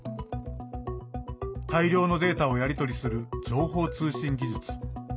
大量のデータをやり取りする情報通信技術。